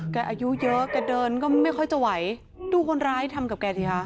อายุเยอะแกเดินก็ไม่ค่อยจะไหวดูคนร้ายทำกับแกสิคะ